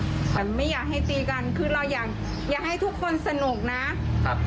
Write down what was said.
เหมือนไม่อยากให้ตีกันคือเราอยากอยากให้ทุกคนสนุกนะครับ